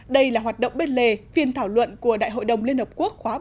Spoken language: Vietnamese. đây là hoạt động bên lề phiên thảo luận của đại hội đồng liên hợp quốc khóa bảy mươi ba